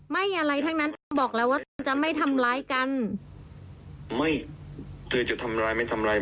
ไม่อะไรทั้งนั้นบอกแล้วว่ามันจะไม่ทำร้ายกันไม่เธอจะทำร้ายไม่ทำร้าย